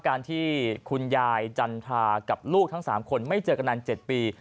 การที่คุณยายจันทรากับลูกทั้ง๓คนไม่เจอกันนาน๗ปี